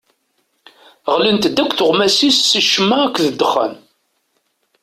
Ɣlint-d akk tuɣmas-is si ccemma akked ddexxan.